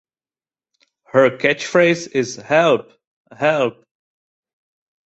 Her catchphrase is Help, help!